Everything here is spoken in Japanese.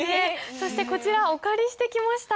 そしてこちらお借りしてきました。